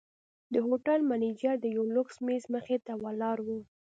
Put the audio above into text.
د هوټل منیجر د یوه لوکس میز مخې ته ولاړ و.